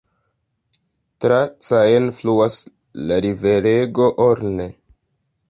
Tra Caen fluas la riverego Orne.